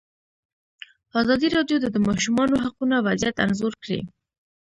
ازادي راډیو د د ماشومانو حقونه وضعیت انځور کړی.